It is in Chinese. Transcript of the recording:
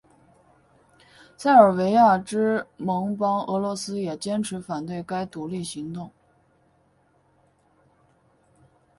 塞尔维亚之盟邦俄罗斯也坚持反对该独立行动。